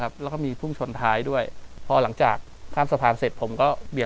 กลับมาที่สุดท้ายและกลับมาที่สุดท้าย